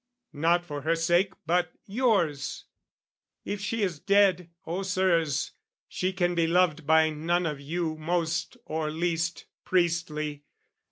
Not for her sake, but yours: if she is dead, Oh, Sirs, she can be loved by none of you Most or least priestly!